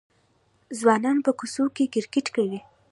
ځوانان په کوڅو کې کرکټ کوي.